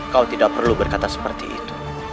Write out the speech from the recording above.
kau tidak perlu berkata seperti itu